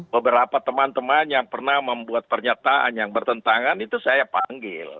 beberapa teman teman yang pernah membuat pernyataan yang bertentangan itu saya panggil